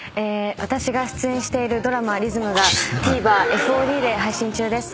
私が出演しているドラマ『リズム』がＴＶｅｒＦＯＤで配信中です。